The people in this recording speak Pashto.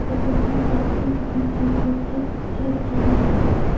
لکه زما په سترګو کې چي “ګوتهک چرچ” ویني